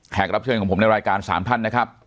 รับเชิญของผมในรายการ๓ท่านนะครับ